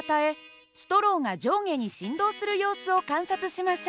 ストローが上下に振動する様子を観察しましょう。